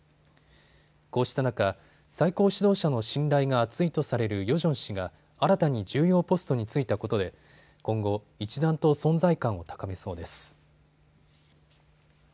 こうした中、最高指導者の信頼が厚いとされるヨジョン氏が新たに重要ポストに就いたことで今後、一段と存在感を高めそうです。